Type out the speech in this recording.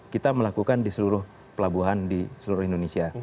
kita melakukan di seluruh pelabuhan di seluruh indonesia